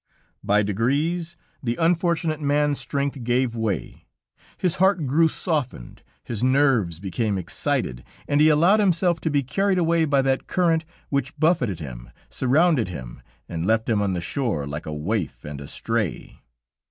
"By degrees, the unfortunate man's strength gave way, his heart grew softened, his nerves became excited, and he allowed himself to be carried away by that current which buffeted him, surrounded him and left him on the shore like a waif and a stray.